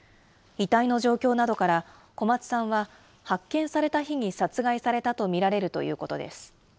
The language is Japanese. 遺体の状況などから、小松さんは発見された日に殺害されたと見られるということです。